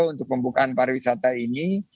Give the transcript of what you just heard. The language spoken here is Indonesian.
untuk pembukaan pariwisata ini